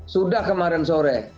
sudah kemarin sore